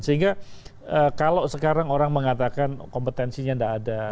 sehingga kalau sekarang orang mengatakan kompetensinya tidak ada